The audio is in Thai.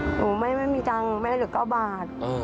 หนูไม่มีจังไม่ได้เหลือ๙บาท